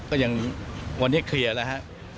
ก็ยังวันนี้เคลียร์แล้วฮะ